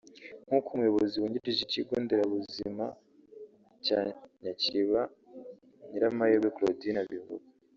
nk’uko Umuyobozi wungirije w’ikigo nderabuzima cya Nyakiriba Nyiramahirwe Claudine abivuga